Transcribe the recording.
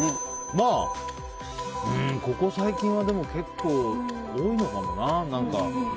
まあ、ここ最近は結構多いのかもな。